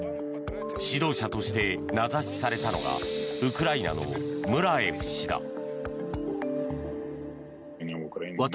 指導者として名指しされたのがウクライナのムラエフ氏だ。